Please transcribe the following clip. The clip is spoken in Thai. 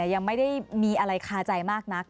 ยังไม่ได้มีอะไรคาใจมากนัก